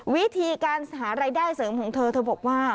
วิธีการหารายได้เสริมของเธอเธอบอกว่า